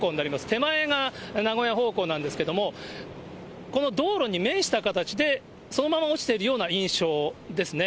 手前が名古屋方向なんですけれども、この道路に面した形でそのまま落ちているような印象ですね。